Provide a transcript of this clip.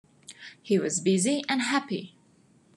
He was busy and happy.